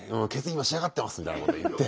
今仕上がってますみたいなこと言って。